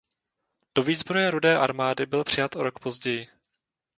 Do výzbroje Rudé armády byl přijat o rok později.